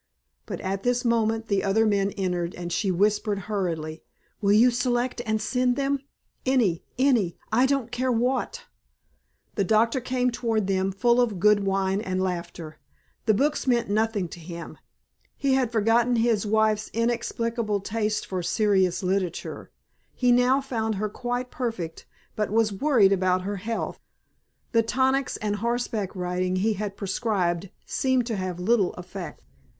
But at this moment the other men entered and she whispered hurriedly, "Will you select and send them? Any any I don't care what." The doctor came toward them full of good wine and laughter. The books meant nothing to him. He had forgotten his wife's inexplicable taste for serious literature. He now found her quite perfect but was worried about her health. The tonics and horseback riding he had prescribed seemed to have little effect.